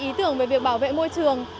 ý tưởng về việc bảo vệ môi trường